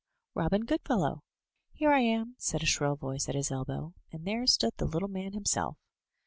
Robin Goodfellow!" "Here I am,*' said a shrill voice at his elbow; and there stood the little man himself.